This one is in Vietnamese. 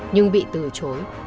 nhưng bị từ chối